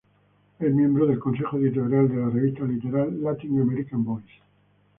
Es miembro del Consejo Editorial de la revista Literal: Latin American Voices.